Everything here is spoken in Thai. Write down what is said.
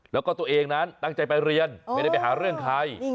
แล้วก็ตัวเองนั้นตั้งใจไปเรียนไม่ได้ไปหาเรื่องใคร